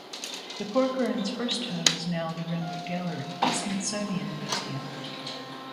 The Corcoran's first home is now the Renwick Gallery, a Smithsonian museum.